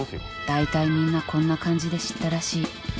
大体みんなこんな感じで知ったらしい。